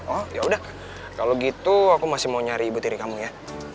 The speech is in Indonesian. oh yaudah kalau gitu aku masih mau nyari ibu tiri kamu ya